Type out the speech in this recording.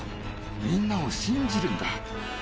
みんなを信じるんだ。